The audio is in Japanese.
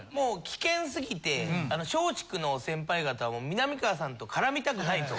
危険すぎて松竹の先輩方もみなみかわさんと絡みたくないと。